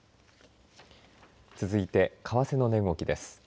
続いて為替の値動きです。